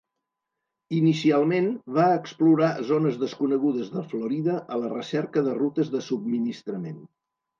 Inicialment, va explorar zones desconegudes de Florida, a la recerca de rutes de subministrament.